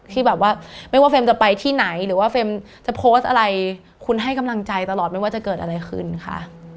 ที่แบบว่าไม่ว่าเฟรมจะไปที่ไหนหรือว่าเฟรมจะโพสต์อะไรคุณให้กำลังใจตลอดไม่ว่าจะเกิดอะไรขึ้นค่ะ